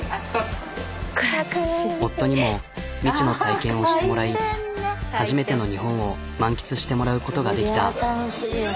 夫にも未知の体験をしてもらい初めての日本を満喫してもらうことができた。